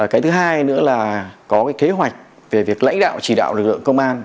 cái thứ hai nữa là có cái kế hoạch về việc lãnh đạo chỉ đạo lực lượng công an